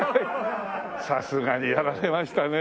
さすがにやられましたね。